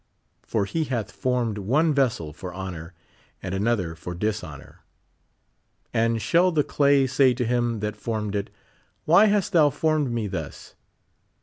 "For he hath formed one vessel for honor, and another for dishonor." And shall the clay say to him that formed it : Why hast Thou formed me thus?